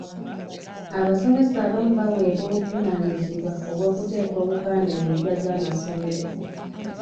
Abasomesa abamu baweebwa obuvunaanyizibwa obw’okuteeka obupande mu mpya z’amasomero.